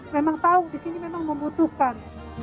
memang tahu di sini memang membutuhkan